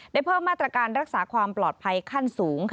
ได้เพิ่มมาตรการรักษาความปลอดภัยขั้นสูง